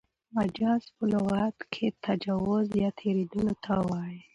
مجاز په لغت کښي تجاوز یا تېرېدلو ته وايي.